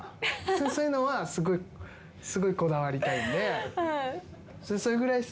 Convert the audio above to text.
そういうのはすごいこだわりたいんで。